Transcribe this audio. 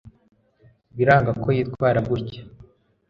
Biranga ko yitwara gutya